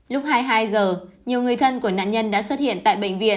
lúc hai mươi hai h nhiều người thân của nạn nhân đã xuất hiện tại bệnh viện